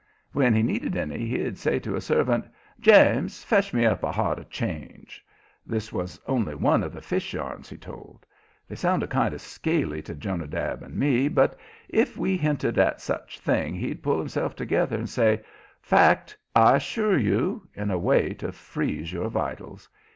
When he needed any, he'd say to a servant: "James, fetch me up a hod of change." This was only one of the fish yarns he told. They sounded kind of scaly to Jonadab and me, but if we hinted at such a thing, he'd pull himself together and say: "Fact, I assure you," in a way to freeze your vitals.